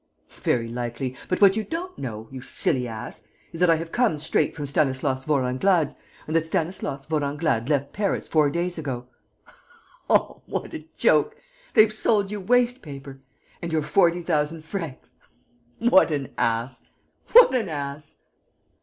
"Very likely. But what you don't know, you silly ass, is that I have come straight from Stanislas Vorenglade's and that Stanislas Vorenglade left Paris four days ago! Oh, what a joke! They've sold you waste paper! And your forty thousand francs! What an ass! What an ass!"